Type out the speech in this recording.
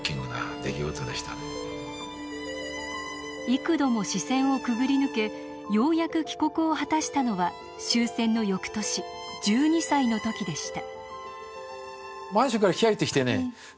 幾度も死線をくぐり抜けようやく帰国を果たしたのは終戦の翌年１２歳の時でした。